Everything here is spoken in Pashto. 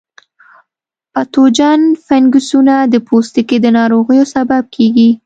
پتوجن فنګسونه د پوستکي د ناروغیو سبب کیږي.